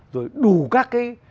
rồi đủ các cái